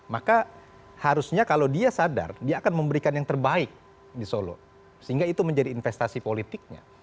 maka harusnya kalau dia sadar dia akan memberikan yang terbaik di solo sehingga itu menjadi investasi politiknya